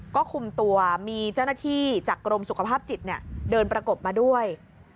ก็คุมตัวมีเจ้าหน้าที่จากกรมสุขภาพจิตเดินประกบมาด้วย